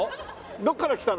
どこから来たの？